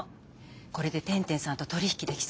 これで天・天さんと取り引きできそう。